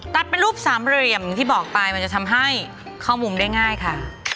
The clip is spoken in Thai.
ตัดเป็นรูปสามเหลี่ยมอย่างที่บอกไปมันจะทำให้เข้ามุมได้ง่ายค่ะ